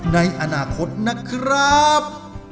ในอนาคตนะครับ